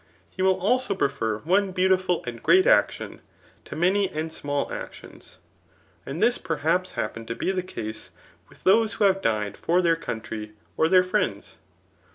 He will also prefer one b^utiful and great action, to many and small actions. And this perhaps happened tobethecasevrith those who have died ffor their country, or their friends].